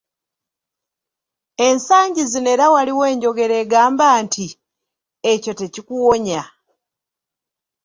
Ensangi zino era waliwo enjogera egamba nti, "ekyo tekikuwonya."